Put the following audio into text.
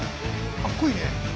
かっこいい。